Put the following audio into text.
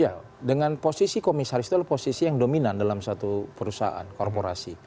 ya dengan posisi komisaris itu adalah posisi yang dominan dalam satu perusahaan korporasi